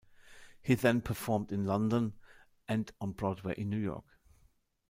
He then performed in London and on Broadway in New York.